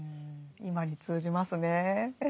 今に通じますね。